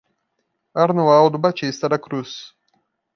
Arnoaldo Batista da Cruz